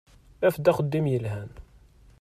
Af-d axeddim yelhan.